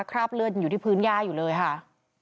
คราบเลือดยังอยู่ที่พื้นย่าอยู่เลยค่ะ